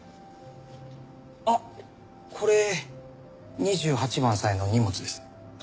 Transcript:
あっこれ２８番さんへのお荷物です。